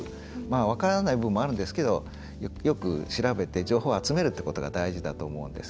分からない部分もあるんですけどよく調べて情報を集めるということが大事だと思うんです。